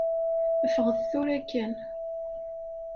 Ffɣet tura kan.